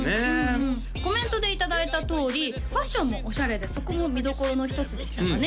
コメントでいただいたとおりファッションもオシャレでそこも見どころの一つでしたかね